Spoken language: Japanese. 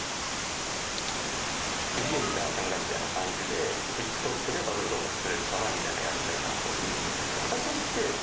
「クリエイター千賀みたいな感じでＴｉｋＴｏｋでバズる動画作れるかなみたいなのやりたいなと」